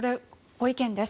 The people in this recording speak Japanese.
ご意見です。